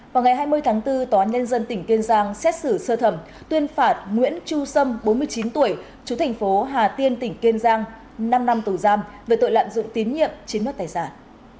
vào ngày hai mươi tháng bốn tòa án nhân dân tỉnh kiên giang xét xử sơ thẩm tuyên phạt nguyễn chu sâm bốn mươi chín tuổi chú thành phố hà tiên tỉnh kiên giang năm năm tù giam về tội lạm dụng tín nhiệm chiếm mất tài sản